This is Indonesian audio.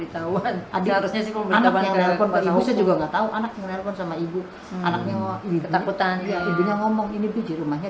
tahu kan ada harusnya sih kalau mengetahui juga enggak tahu anaknya ngomong ini biji rumahnya